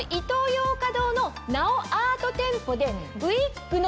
ヨーカドーのナオアート店舗でウィッグの